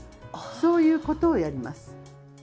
そういうことをやります。